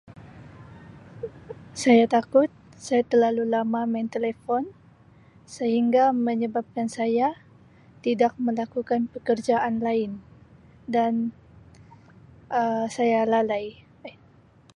Saya takut saya terlalu lama main telefon sehingga menyebabkan saya tidak melakukan pekerjaan lain dan Um saya lalai Um.